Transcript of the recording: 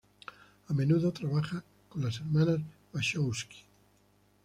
A menudo trabaja con las Hermanas Wachowski.